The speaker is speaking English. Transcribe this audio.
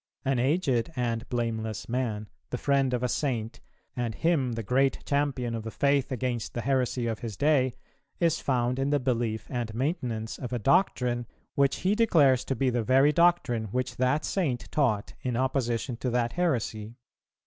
An aged and blameless man, the friend of a Saint, and him the great champion of the faith against the heresy of his day, is found in the belief and maintenance of a doctrine, which he declares to be the very doctrine which that Saint taught in opposition to that heresy.